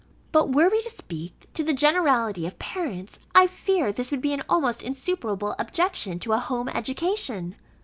But were we to speak to the generality of parents, I fear this would be an almost insuperable objection to a home education.